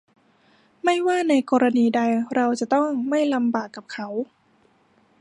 ไม่ว่าในกรณีใดเราจะต้องไม่ลำบากกับเขา